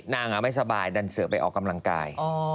นางไม่สบายดันเสือไปออกกำลังกาย